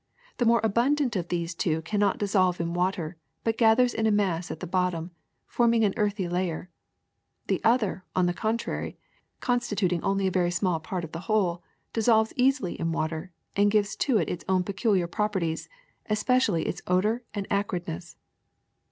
The more abundant of these two cannot dissolve in water, but gathers in a mass at the bottom, forming an earthy layer; the other, on the contrary, constituting only a very small part of the whole, dissolves easily in water and gives to it its ovm peculiar properties, especially its odor and acridness.